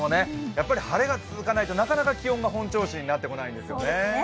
やっぱり晴れが続かないと、なかなか気温が本調子になってこないんですよね。